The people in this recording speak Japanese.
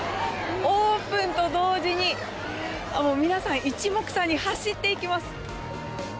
オープンと同時に、もう皆さん、いちもくさんに走っていきます。